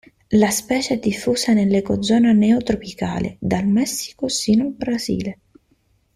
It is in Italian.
La specie è diffusa nell'ecozona neotropicale, dal Messico sino al Brasile.